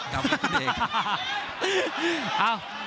กลับกับคุณเอก